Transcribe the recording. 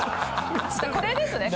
これですね。